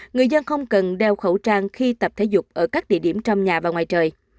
người dân không cần đeo khẩu trang khi tập thể dục ở các địa điểm trong nhà và ngoài trời